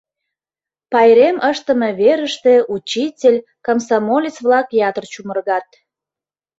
Пайрем ыштыме верыште учитель, комсомолец-влак ятыр чумыргат.